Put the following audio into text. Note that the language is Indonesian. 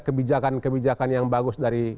kebijakan kebijakan yang bagus